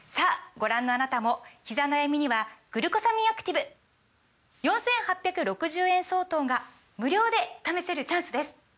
ご覧のあなたもひざ悩みには「グルコサミンアクティブ」４，８６０円相当が無料で試せるチャンスです！